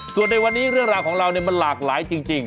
ส่วนในวันนี้เรื่องราวของเรามันหลากหลายจริง